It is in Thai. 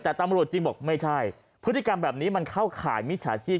แต่ตำรวจจริงบอกไม่ใช่พฤติกรรมแบบนี้มันเข้าข่ายมิจฉาชีพ